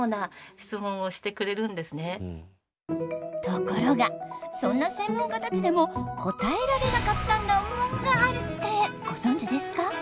ところがそんな専門家たちでも答えられなかった難問があるってご存じですか？